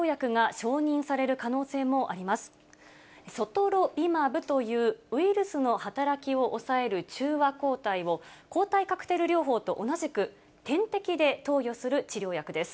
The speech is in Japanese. ソトロビマブという、ウイルスの働きを抑える中和抗体を、抗体カクテル療法と同じく、点滴で投与する治療薬です。